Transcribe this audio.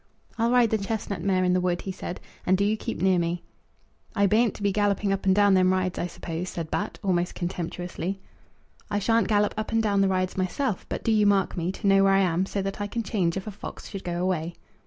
"I'll ride the chestnut mare in the wood," he said, "and do you keep near me." "I bean't to be galloping up and down them rides, I suppose," said Bat, almost contemptuously. "I shan't gallop up and down the rides, myself; but do you mark me, to know where I am, so that I can change if a fox should go away."